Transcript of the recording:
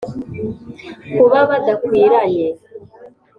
kuba badakwiranye: